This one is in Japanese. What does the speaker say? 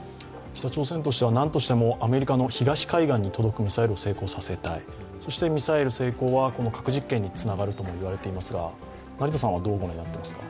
北朝鮮としてはなんとしてもアメリカの東海岸に届くミサイルを成功させたい、そしてミサイル成功は核実験につながるとも言われていますが、成田さんはどうご覧になっていますか？